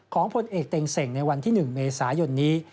พลเอกเต็งเส่งในวันที่๑เมษายนนี้